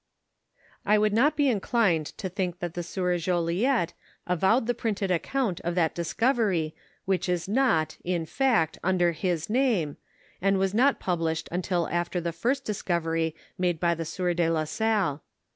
I would not be inclined to think that the sieur Joliet avowed the printed account of that discovery which is not, in fact, under his name, and was not published till after the first discovery made by the sieur de la Salle.